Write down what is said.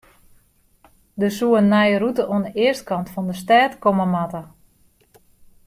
Der soe in nije rûte oan de eastkant fan de stêd komme moatte.